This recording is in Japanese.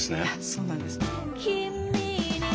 そうなんです。